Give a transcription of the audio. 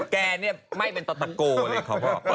แกเนี่ยไม่เป็นต่อตะโกเลยเขาบอก